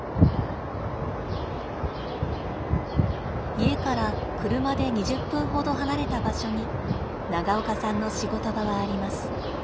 家から車で２０分ほど離れた場所に長岡さんの仕事場はあります。